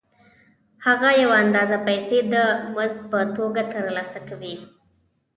هغه یوه اندازه پیسې د مزد په توګه ترلاسه کوي